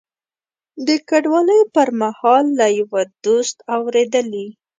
د کډوالۍ پر مهال له یوه دوست اورېدلي.